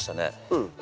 うん。